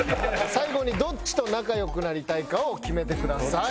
最後にどっちと仲良くなりたいかを決めてください。